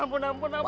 ampun ampun atuh